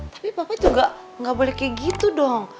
tapi papa juga gak boleh kayak gitu dong